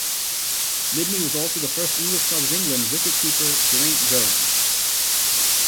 Lydney was also the first English club of England wicket-keeper Geraint Jones.